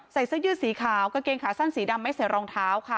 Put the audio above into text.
เสื้อยืดสีขาวกางเกงขาสั้นสีดำไม่ใส่รองเท้าค่ะ